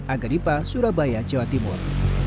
agaripa surabaya jawa timur